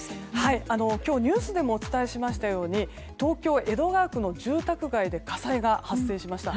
今日、ニュースでもお伝えしましたように東京・江戸川区の住宅街で火災が発生しました。